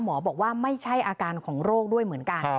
บอกว่าไม่ใช่อาการของโรคด้วยเหมือนกัน